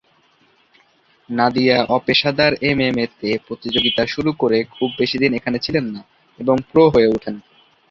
নাদিয়া অপেশাদার এমএমএ-তে প্রতিযোগিতা শুরু করে খুব বেশিদিন এখানে ছিলেন না এবং প্রো হয়ে উঠেন।